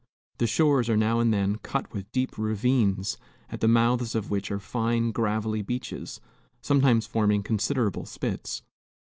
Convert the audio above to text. The shores are now and then cut with deep ravines, at the mouths of which are fine, gravelly beaches, sometimes forming considerable spits.